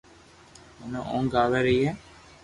منو اونگ آوي رھئي ھي